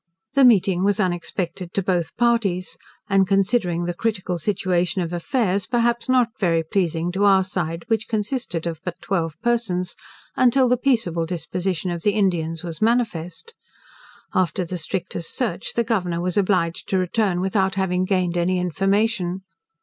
The meeting was unexpected to both parties, and considering the critical situation of affairs, perhaps not very pleasing to our side, which consisted but of twelve persons, until the peaceable disposition of the Indians was manifest. After the strictest search the Governor was obliged to return without having gained any information.